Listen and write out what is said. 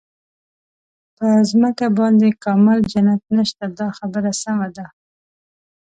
په ځمکه باندې کامل جنت نشته دا خبره سمه ده.